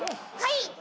はい。